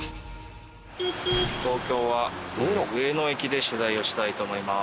東京は上野駅で取材をしたいと思います。